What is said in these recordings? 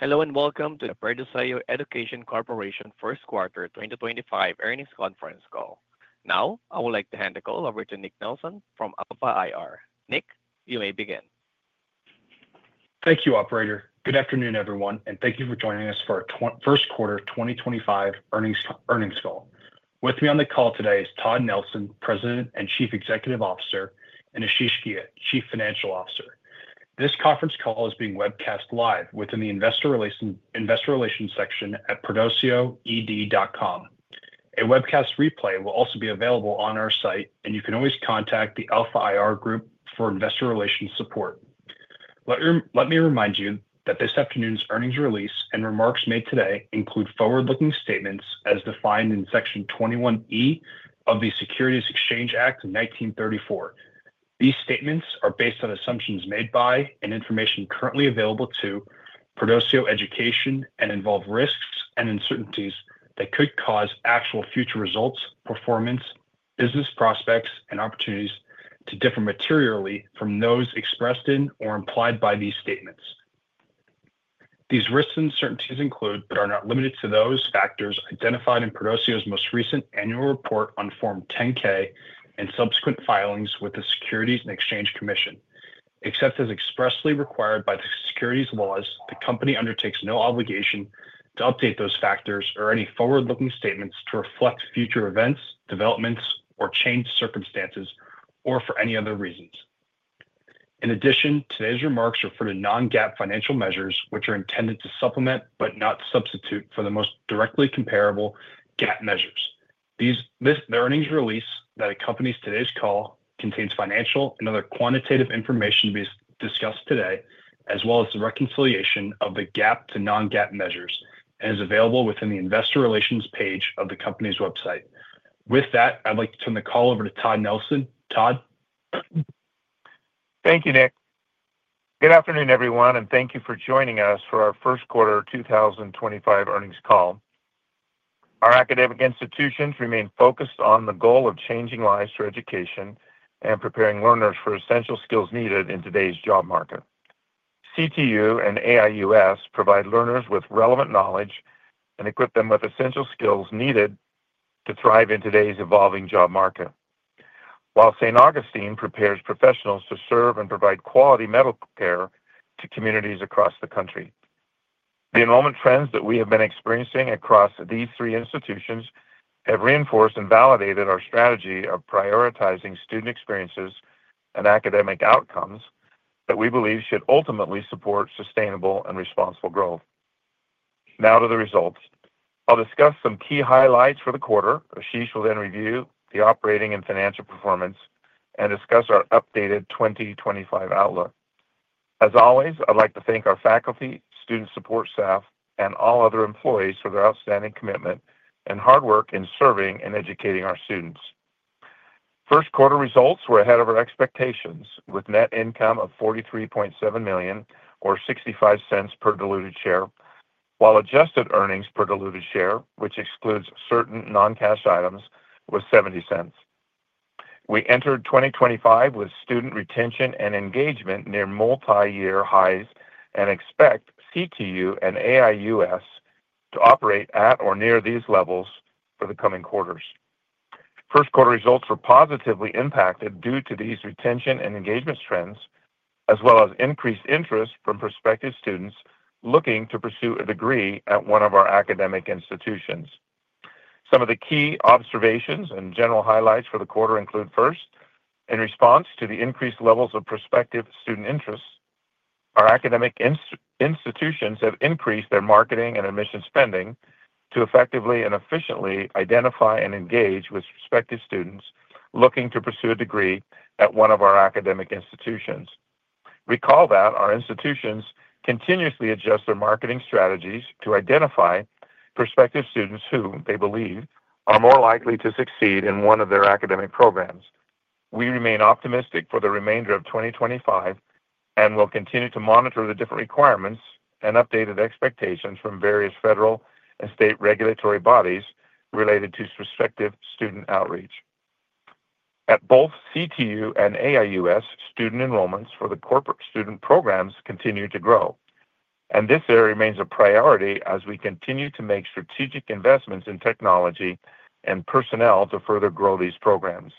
Hello and welcome to the Perdoceo Education Corporation first quarter 2025 earnings conference call. Now, I would like to hand the call over to Nick Nelson from Alpha IR. Nick, you may begin. Thank you, Operator. Good afternoon, everyone, and thank you for joining us for our first quarter 2025 earnings conference call. With me on the call today is Todd Nelson, President and Chief Executive Officer, and Ashish Ghia, Chief Financial Officer. This conference call is being webcast live within the Investor Relations section at perdoceoed.com. A webcast replay will also be available on our site, and you can always contact the Alpha IR Group for investor relations support. Let me remind you that this afternoon's earnings release and remarks made today include forward-looking statements as defined in Section 21E of the Securities and Exchange Act of 1934. These statements are based on assumptions made by and information currently available to Perdoceo Education and involve risks and uncertainties that could cause actual future results, performance, business prospects, and opportunities to differ materially from those expressed in or implied by these statements. These risks and uncertainties include, but are not limited to, those factors identified in Perdoceo's most recent annual report on Form 10-K and subsequent filings with the Securities and Exchange Commission. Except as expressly required by the securities laws, the company undertakes no obligation to update those factors or any forward-looking statements to reflect future events, developments, or changed circumstances, or for any other reasons. In addition, today's remarks refer to non-GAAP financial measures, which are intended to supplement but not substitute for the most directly comparable GAAP measures. The earnings release that accompanies today's call contains financial and other quantitative information to be discussed today, as well as the reconciliation of the GAAP to non-GAAP measures, and is available within the Investor Relations page of the company's website. With that, I'd like to turn the call over to Todd Nelson. Todd. Thank you, Nick. Good afternoon, everyone, and thank you for joining us for our first quarter 2025 earnings call. Our academic institutions remain focused on the goal of changing lives through education and preparing learners for essential skills needed in today's job market. CTU and AIUS provide learners with relevant knowledge and equip them with essential skills needed to thrive in today's evolving job market, while St. Augustine prepares professionals to serve and provide quality medical care to communities across the country. The enrollment trends that we have been experiencing across these three institutions have reinforced and validated our strategy of prioritizing student experiences and academic outcomes that we believe should ultimately support sustainable and responsible growth. Now to the results. I'll discuss some key highlights for the quarter. Ashish will then review the operating and financial performance and discuss our updated 2025 outlook. As always, I'd like to thank our faculty, student support staff, and all other employees for their outstanding commitment and hard work in serving and educating our students. First quarter results were ahead of our expectations, with net income of $43.7 million, or $0.65 per diluted share, while adjusted earnings per diluted share, which excludes certain non-cash items, was $0.70. We entered 2025 with student retention and engagement near multi-year highs and expect CTU and AIUS to operate at or near these levels for the coming quarters. First quarter results were positively impacted due to these retention and engagement trends, as well as increased interest from prospective students looking to pursue a degree at one of our academic institutions. Some of the key observations and general highlights for the quarter include, first, in response to the increased levels of prospective student interest, our academic institutions have increased their marketing and admission spending to effectively and efficiently identify and engage with prospective students looking to pursue a degree at one of our academic institutions. Recall that our institutions continuously adjust their marketing strategies to identify prospective students who they believe are more likely to succeed in one of their academic programs. We remain optimistic for the remainder of 2025 and will continue to monitor the different requirements and updated expectations from various federal and state regulatory bodies related to prospective student outreach. At both CTU and AIUS, student enrollments for the corporate student programs continue to grow, and this area remains a priority as we continue to make strategic investments in technology and personnel to further grow these programs.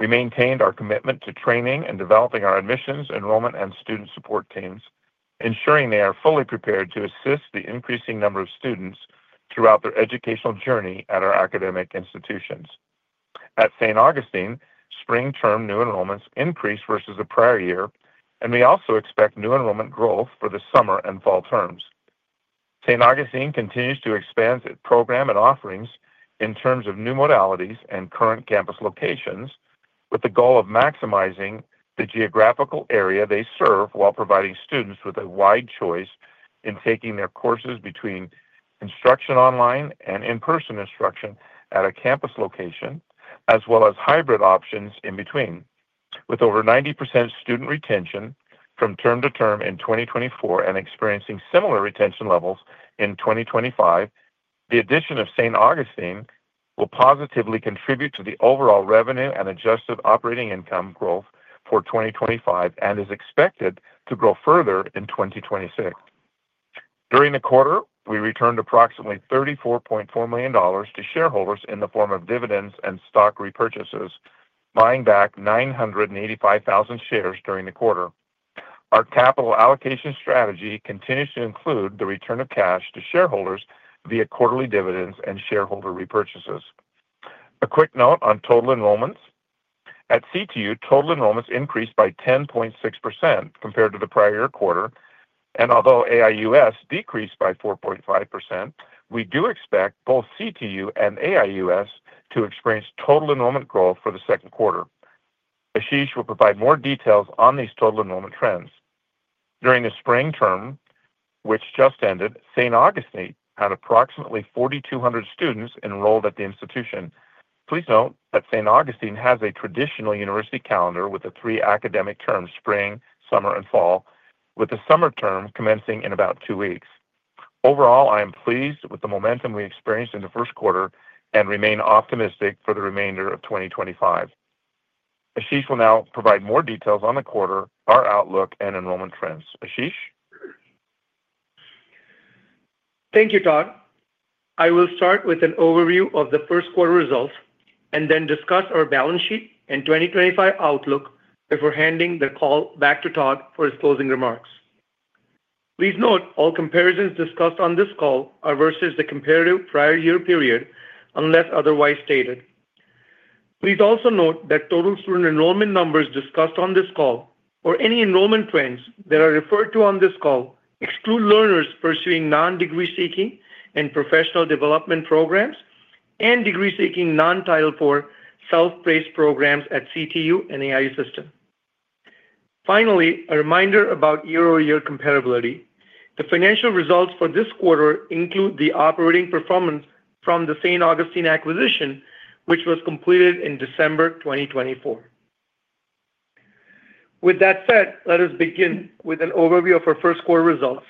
We maintained our commitment to training and developing our admissions, enrollment, and student support teams, ensuring they are fully prepared to assist the increasing number of students throughout their educational journey at our academic institutions. At St. Augustine, spring term new enrollments increased versus the prior year, and we also expect new enrollment growth for the summer and fall terms. St. Augustine continues to expand its program and offerings in terms of new modalities and current campus locations, with the goal of maximizing the geographical area they serve while providing students with a wide choice in taking their courses between instruction online and in-person instruction at a campus location, as well as hybrid options in between. With over 90% student retention from term to term in 2024 and experiencing similar retention levels in 2025, the addition of St. Augustine will positively contribute to the overall revenue and adjusted operating income growth for 2025 and is expected to grow further in 2026. During the quarter, we returned approximately $34.4 million to shareholders in the form of dividends and stock repurchases, buying back 985,000 shares during the quarter. Our capital allocation strategy continues to include the return of cash to shareholders via quarterly dividends and shareholder repurchases. A quick note on total enrollments. At CTU, total enrollments increased by 10.6% compared to the prior quarter, and although AIUS decreased by 4.5%, we do expect both CTU and AIUS to experience total enrollment growth for the second quarter. Ashish will provide more details on these total enrollment trends. During the spring term, which just ended, St. Augustine had approximately 4,200 students enrolled at the institution. Please note that St. Augustine has a traditional university calendar with the three academic terms: spring, summer, and fall, with the summer term commencing in about two weeks. Overall, I am pleased with the momentum we experienced in the first quarter and remain optimistic for the remainder of 2025. Ashish will now provide more details on the quarter, our outlook, and enrollment trends. Ashish? Thank you, Todd. I will start with an overview of the first quarter results and then discuss our balance sheet and 2025 outlook before handing the call back to Todd for his closing remarks. Please note all comparisons discussed on this call are versus the comparative prior year period unless otherwise stated. Please also note that total student enrollment numbers discussed on this call, or any enrollment trends that are referred to on this call, exclude learners pursuing non-degree-seeking and professional development programs and degree-seeking non-Title IV self-paced programs at CTU and AIU System. Finally, a reminder about year-over-year comparability. The financial results for this quarter include the operating performance from the St. Augustine acquisition, which was completed in December 2024. With that said, let us begin with an overview of our first quarter results.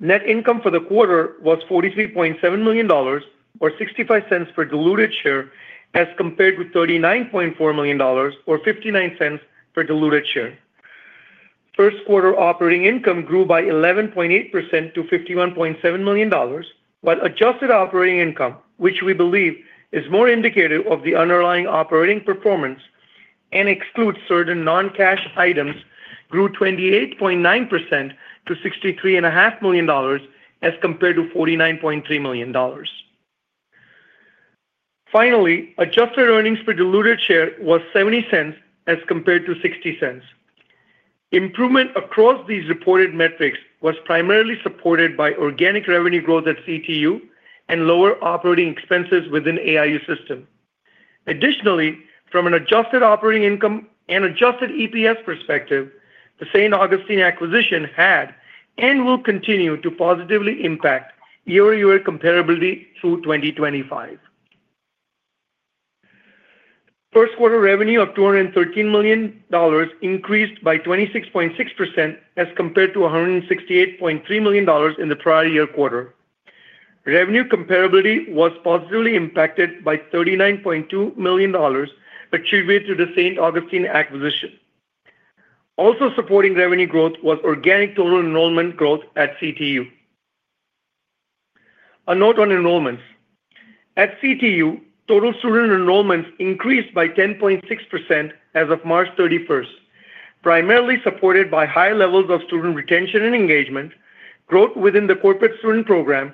Net income for the quarter was $43.7 million, or $0.65 per diluted share, as compared with $39.4 million, or $0.59 per diluted share. First quarter operating income grew by 11.8% to $51.7 million, while adjusted operating income, which we believe is more indicative of the underlying operating performance and excludes certain non-cash items, grew 28.9% to $63.5 million as compared to $49.3 million. Finally, adjusted earnings per diluted share was $0.70 as compared to $0.60. Improvement across these reported metrics was primarily supported by organic revenue growth at CTU and lower operating expenses within AIU System. Additionally, from an adjusted operating income and adjusted EPS perspective, the St. Augustine acquisition had and will continue to positively impact year-over-year comparability through 2025. First quarter revenue of $213 million increased by 26.6% as compared to $168.3 million in the prior year quarter. Revenue comparability was positively impacted by $39.2 million attributed to the St. Augustine acquisition. Also supporting revenue growth was organic total enrollment growth at CTU. A note on enrollments. At CTU, total student enrollments increased by 10.6% as of March 31st, primarily supported by high levels of student retention and engagement, growth within the corporate student program,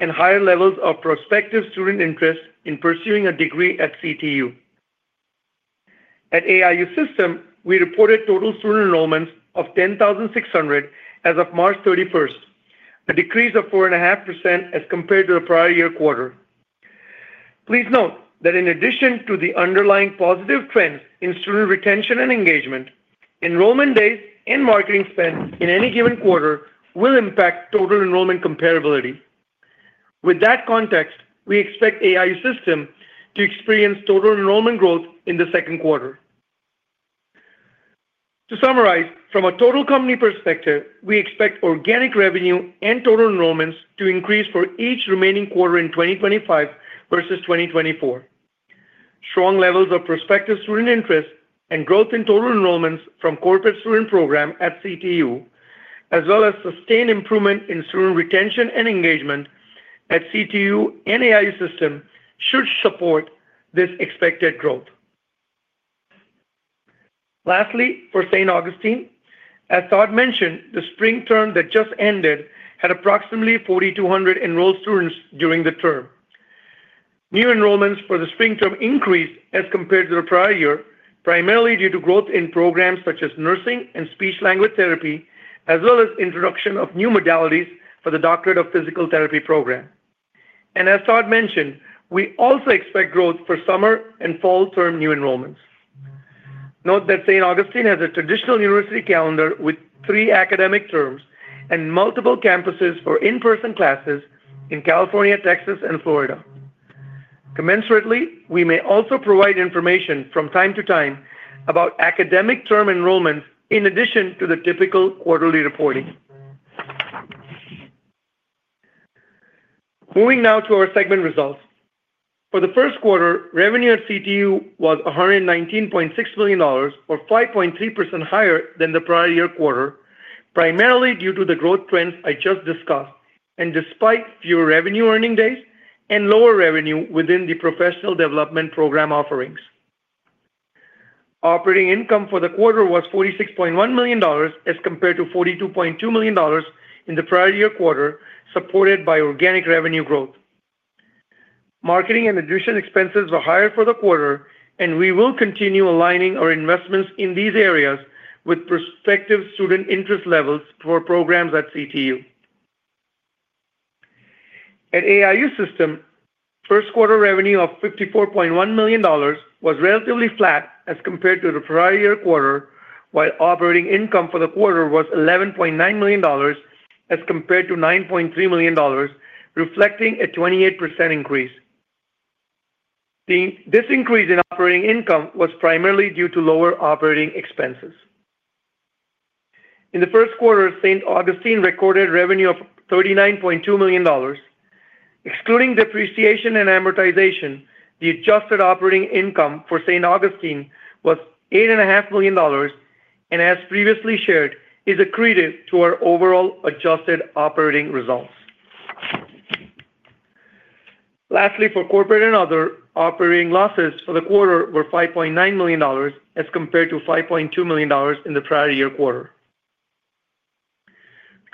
and higher levels of prospective student interest in pursuing a degree at CTU. At AIU System, we reported total student enrollments of 10,600 as of March 31st, a decrease of 4.5% as compared to the prior year quarter. Please note that in addition to the underlying positive trends in student retention and engagement, enrollment days and marketing spend in any given quarter will impact total enrollment comparability. With that context, we expect AIU System to experience total enrollment growth in the second quarter. To summarize, from a total company perspective, we expect organic revenue and total enrollments to increase for each remaining quarter in 2025 versus 2024. Strong levels of prospective student interest and growth in total enrollments from corporate student programs at CTU, as well as sustained improvement in student retention and engagement at CTU and AIU System, should support this expected growth. Lastly, for St. Augustine, as Todd mentioned, the spring term that just ended had approximately 4,200 enrolled students during the term. New enrollments for the spring term increased as compared to the prior year, primarily due to growth in programs such as nursing and speech-language therapy, as well as introduction of new modalities for the doctorate of physical therapy program. As Todd mentioned, we also expect growth for summer and fall term new enrollments. Note that St. Augustine has a traditional university calendar with three academic terms and multiple campuses for in-person classes in California, Texas, and Florida. Commensurately, we may also provide information from time to time about academic term enrollments in addition to the typical quarterly reporting. Moving now to our segment results. For the first quarter, revenue at CTU was $119.6 million, or 5.3% higher than the prior year quarter, primarily due to the growth trends I just discussed, and despite fewer revenue earning days and lower revenue within the professional development program offerings. Operating income for the quarter was $46.1 million as compared to $42.2 million in the prior year quarter, supported by organic revenue growth. Marketing and admission expenses were higher for the quarter, and we will continue aligning our investments in these areas with prospective student interest levels for programs at CTU. At AIU System, first quarter revenue of $54.1 million was relatively flat as compared to the prior year quarter, while operating income for the quarter was $11.9 million as compared to $9.3 million, reflecting a 28% increase. This increase in operating income was primarily due to lower operating expenses. In the first quarter, St. Augustine recorded revenue of $39.2 million. Excluding depreciation and amortization, the adjusted operating income for St. Augustine was $8.5 million, and as previously shared, is accretive to our overall adjusted operating results. Lastly, for corporate and other operating losses for the quarter were $5.9 million as compared to $5.2 million in the prior year quarter.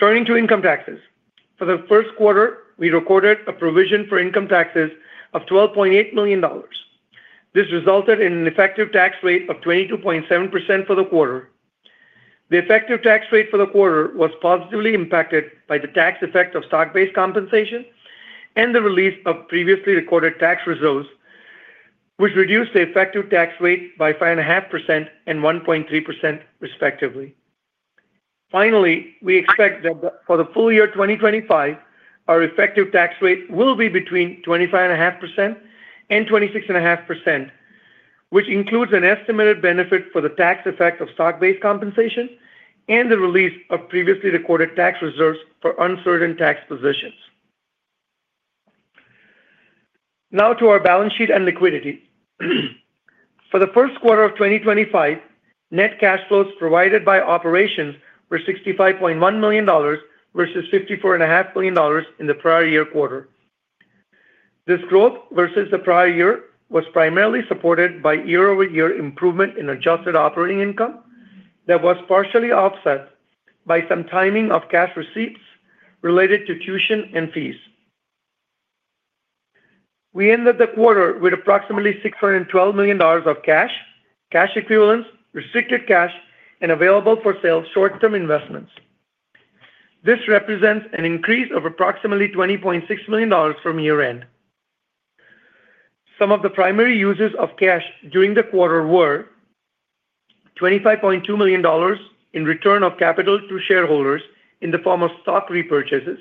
Turning to income taxes. For the first quarter, we recorded a provision for income taxes of $12.8 million. This resulted in an effective tax rate of 22.7% for the quarter. The effective tax rate for the quarter was positively impacted by the tax effect of stock-based compensation and the release of previously recorded tax reserves, which reduced the effective tax rate by 5.5% and 1.3%, respectively. Finally, we expect that for the full year 2025, our effective tax rate will be between 25.5%-26.5%, which includes an estimated benefit for the tax effect of stock-based compensation and the release of previously recorded tax reserves for uncertain tax positions. Now to our balance sheet and liquidity. For the first quarter of 2025, net cash flows provided by operations were $65.1 million versus $54.5 million in the prior year quarter. This growth versus the prior year was primarily supported by year-over-year improvement in adjusted operating income that was partially offset by some timing of cash receipts related to tuition and fees. We ended the quarter with approximately $612 million of cash, cash equivalents, restricted cash, and available-for-sale short-term investments. This represents an increase of approximately $20.6 million from year-end. Some of the primary uses of cash during the quarter were $25.2 million in return of capital to shareholders in the form of stock repurchases,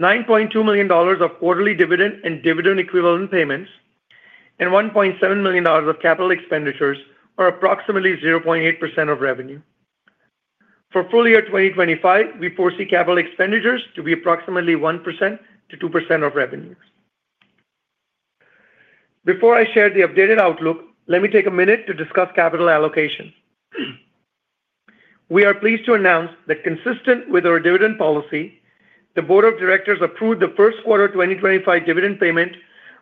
$9.2 million of quarterly dividend and dividend equivalent payments, and $1.7 million of capital expenditures, or approximately 0.8% of revenue. For full year 2025, we foresee capital expenditures to be approximately 1%-2% of revenue. Before I share the updated outlook, let me take a minute to discuss capital allocation. We are pleased to announce that consistent with our dividend policy, the Board of Directors approved the first quarter 2025 dividend payment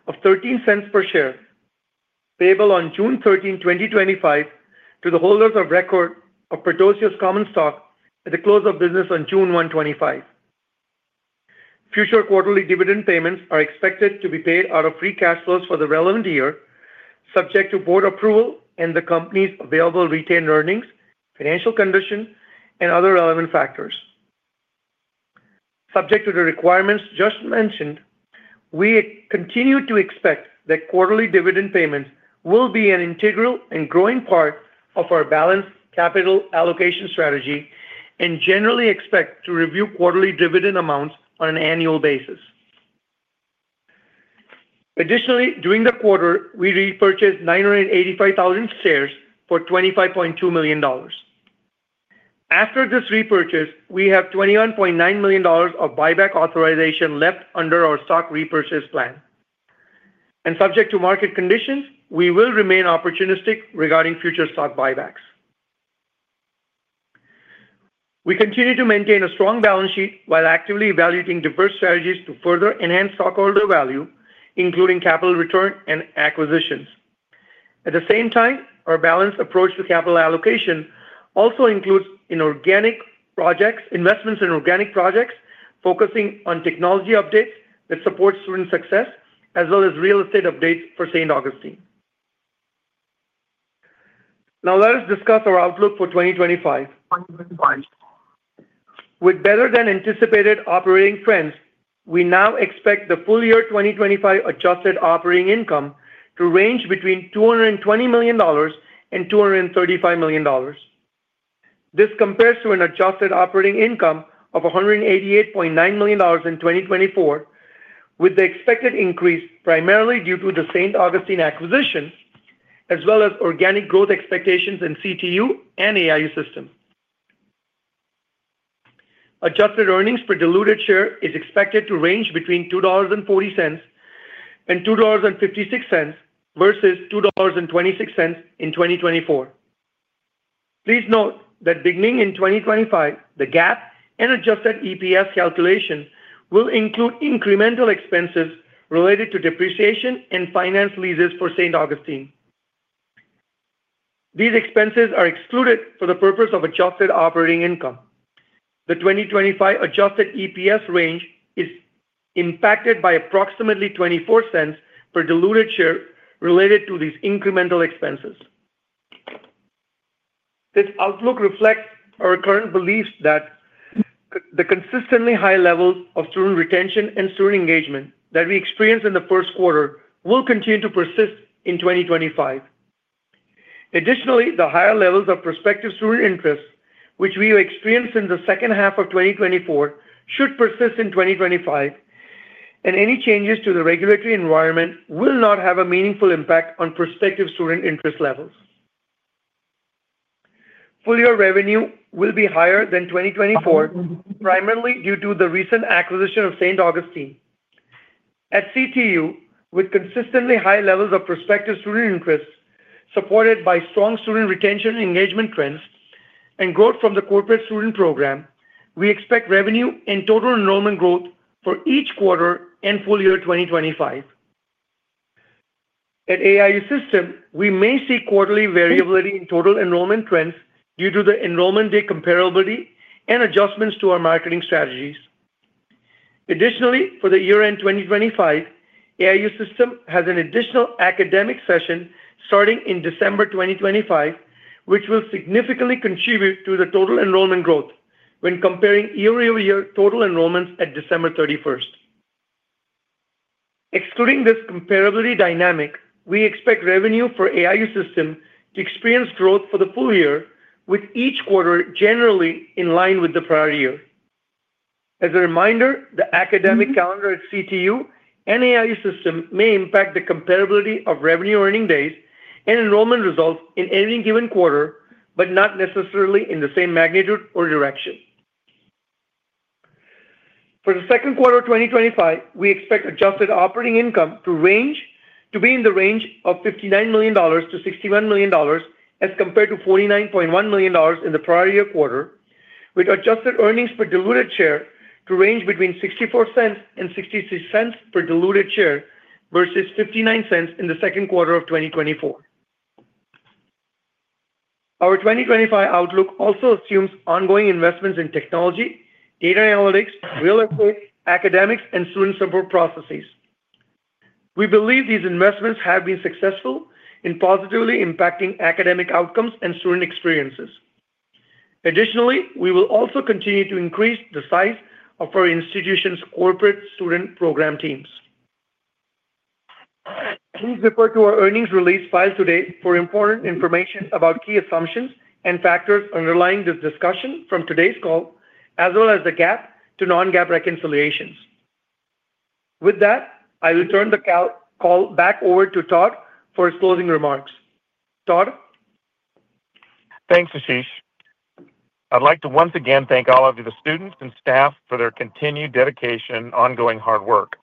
of $0.13 per share, payable on June 13th, 2025, to the holders of record of Perdoceo's Common Stock at the close of business on June 1, 2025. Future quarterly dividend payments are expected to be paid out of free cash flows for the relevant year, subject to board approval and the company's available retained earnings, financial condition, and other relevant factors. Subject to the requirements just mentioned, we continue to expect that quarterly dividend payments will be an integral and growing part of our balanced capital allocation strategy and generally expect to review quarterly dividend amounts on an annual basis. Additionally, during the quarter, we repurchased 985,000 shares for $25.2 million. After this repurchase, we have $21.9 million of buyback authorization left under our stock repurchase plan. Subject to market conditions, we will remain opportunistic regarding future stock buybacks. We continue to maintain a strong balance sheet while actively evaluating diverse strategies to further enhance stockholder value, including capital return and acquisitions. At the same time, our balanced approach to capital allocation also includes investments in organic projects focusing on technology updates that support student success, as well as real estate updates for St. Augustine. Now, let us discuss our outlook for 2025. With better-than-anticipated operating trends, we now expect the full year 2025 adjusted operating income to range between $220 million and $235 million. This compares to an adjusted operating income of $188.9 million in 2024, with the expected increase primarily due to the St. Augustine acquisition, as well as organic growth expectations in CTU and AIU System. Adjusted earnings per diluted share is expected to range between $2.40 and $2.56 versus $2.26 in 2024. Please note that beginning in 2025, the GAAP and adjusted EPS calculation will include incremental expenses related to depreciation and finance leases for St. Augustine. These expenses are excluded for the purpose of adjusted operating income. The 2025 adjusted EPS range is impacted by approximately $0.24 per diluted share related to these incremental expenses. This outlook reflects our current beliefs that the consistently high levels of student retention and student engagement that we experienced in the first quarter will continue to persist in 2025. Additionally, the higher levels of prospective student interest, which we experienced in the second half of 2024, should persist in 2025, and any changes to the regulatory environment will not have a meaningful impact on prospective student interest levels. Full year revenue will be higher than 2024, primarily due to the recent acquisition of St. Augustine. At CTU, with consistently high levels of prospective student interest supported by strong student retention and engagement trends and growth from the corporate student program, we expect revenue and total enrollment growth for each quarter and full year 2025. At AIU System, we may see quarterly variability in total enrollment trends due to the enrollment day comparability and adjustments to our marketing strategies. Additionally, for the year-end 2025, AIU System has an additional academic session starting in December 2025, which will significantly contribute to the total enrollment growth when comparing year-over-year total enrollments at December 31st. Excluding this comparability dynamic, we expect revenue for AIU System to experience growth for the full year, with each quarter generally in line with the prior year. As a reminder, the academic calendar at CTU and AIU System may impact the comparability of revenue earning days and enrollment results in any given quarter, but not necessarily in the same magnitude or direction. For the second quarter of 2025, we expect adjusted operating income to be in the range of $59 million-$61 million as compared to $49.1 million in the prior year quarter, with adjusted earnings per diluted share to range between $0.64 and $0.66 per diluted share versus $0.59 in the second quarter of 2024. Our 2025 outlook also assumes ongoing investments in technology, data analytics, real estate, academics, and student support processes. We believe these investments have been successful in positively impacting academic outcomes and student experiences. Additionally, we will also continue to increase the size of our institution's corporate student program teams. Please refer to our earnings release filed today for important information about key assumptions and factors underlying this discussion from today's call, as well as the GAAP to non-GAAP reconciliations. With that, I will turn the call back over to Todd for his closing remarks. Todd? Thanks, Ashish. I'd like to once again thank all of the students and staff for their continued dedication and ongoing hard work.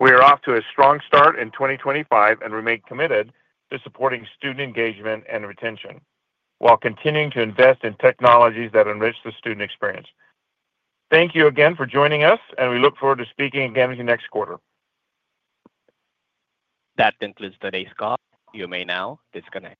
We are off to a strong start in 2025 and remain committed to supporting student engagement and retention while continuing to invest in technologies that enrich the student experience. Thank you again for joining us, and we look forward to speaking again with you next quarter. That concludes today's call. You may now disconnect.